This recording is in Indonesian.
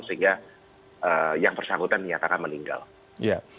sehingga yang bersangkutan dinyatakan meninggal